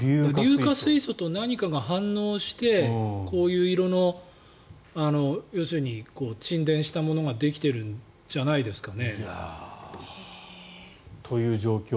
硫化水素と何かが反応してこういう色の沈殿したものができているんじゃないですかね？という状況